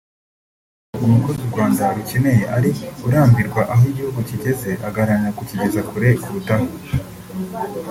Johnston Busingye avuga ko umukozi u Rwanda rukeneye ari urambirwa aho igihugu kigeze agaharanira ko kigera kure kurutaho